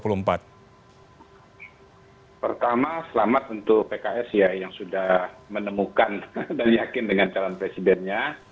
pertama selamat untuk pks ya yang sudah menemukan dan yakin dengan calon presidennya